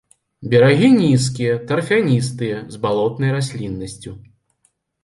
Берагі нізкія, тарфяністыя з балотнай расліннасцю.